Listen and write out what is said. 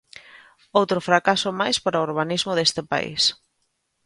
Outro fracaso máis para o urbanismo deste país.